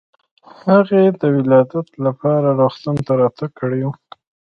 هغې د ولادت لپاره روغتون ته راتګ کړی و.